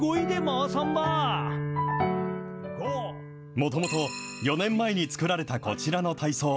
もともと４年前に作られたこちらの体操。